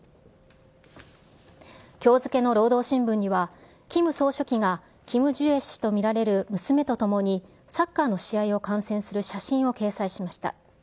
きょう付けの労働新聞には、キム総書記が、キム・ジュエ氏と見られる娘と共に、サッカーの試合を観戦する写真を掲載しました。